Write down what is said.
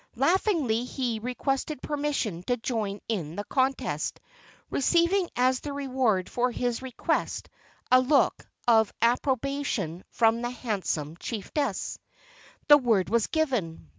Laughingly he requested permission to join in the contest, receiving as the reward for his request a look of approbation from the handsome chiefess. The word was given.